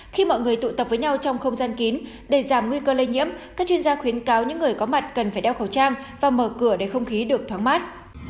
khi mọi người tụ tập với nhau trong không gian kín để giảm nguy cơ lây nhiễm các chuyên gia khuyến cáo những người có mặt cần phải đeo khẩu trang và mở cửa để không khí được thoáng mát